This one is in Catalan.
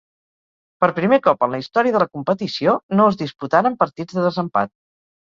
Per primer cop en la història de la competició, no es disputaren partits de desempat.